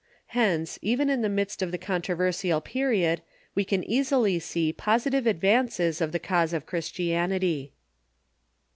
Hence, even in the midst of the controversial period, we can easily see positive advances of the cause of Christianitv.